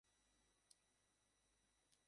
এতে পূর্বে থেকেই ছিদ্র করা থাকে।